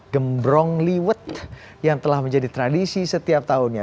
gembrong liwet yang telah menjadi tradisi setiap tahunnya